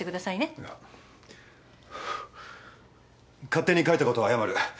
勝手に書いたことは謝る。